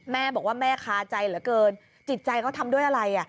แม่บอกว่าแม่คาใจเหลือเกินจิตใจเขาทำด้วยอะไร